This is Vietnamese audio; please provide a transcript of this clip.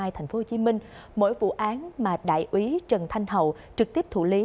thành phố hồ chí minh mỗi vụ án mà đại úy trần thanh hậu trực tiếp thủ lý